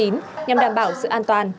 nhằm đảm bảo sự an toàn